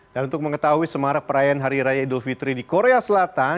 dan untuk mengetahui semangat perayaan hari raya idul fitri di korea selatan